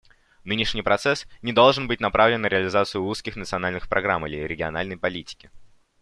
Нынешний процесс не должен быть направлен на реализацию узких национальных программ или региональной политики.